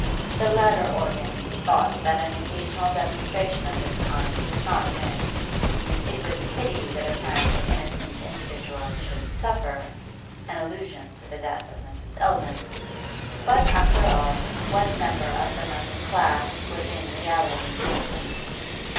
The latter organ thought that an occasional demonstration of this kind was not amiss; it was a pity that apparently innocent individuals should suffer (an allusion to the death of Mrs. Eldon); but, after all, what member of the moneyed classes was in reality innocent?